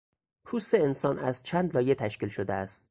پوست انسان از چند لایه تشکیل شده است.